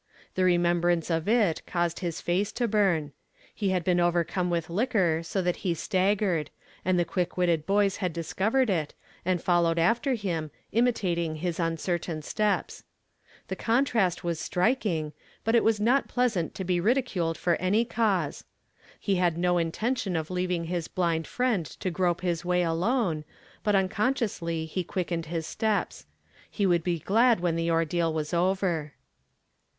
The remembivance of it caused his face to burn. He had been ovir coine with liquor so that he staggered; and the (juick witted boys had discovered it, and followed after liim^ imitatin<T' his uncertain stos. The con trast was striking, but it was not pleasant to be "TO OPEN TFIK HLIND EYES. 286 i ridiculed for any cause. He had no intention of lenving his blind friend ^o grope liis way alone, but unconsciously he quickened his steps, lie would be glad when the ordeal was over.